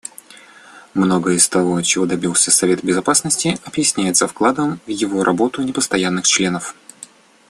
Многое из того, чего добился Совет Безопасности, объясняется вкладом в его работу непостоянных членов.